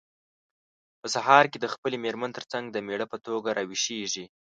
په سهار کې د خپلې مېرمن ترڅنګ د مېړه په توګه راویښیږي.